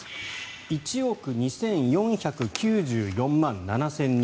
１億２４９４万７０００人。